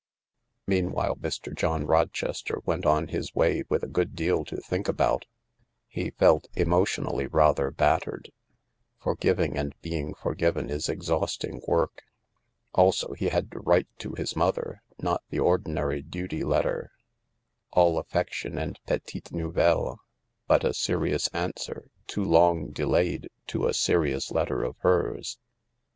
Meanwhile Mr. John Rochester went on his tfay with a good deal to think about. He felt, emotiohally, rather battered : forgiving and being forgiven is etffiausflng work. Also he had to write to his mother — not the Ordinary duty letter, all affection and petites nouvettes, but a serious answer, too long delayed, to a serious letter of hers.